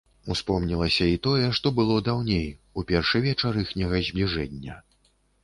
Успомнілася і тое, што было даўней у першы вечар іхняга збліжэння.